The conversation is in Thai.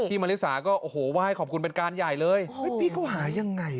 พี่มริษาก็โอ้โหว่าให้ขอบคุณเป็นการใหญ่เลยเฮ้ยพี่ก็หายังไง